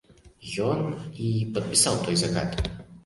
Ён і падпісаў той загад.